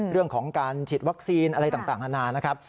เรื่องของการฉีดวัคซีนอะไรต่างอาณานะครับ